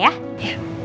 ya makasih ya sus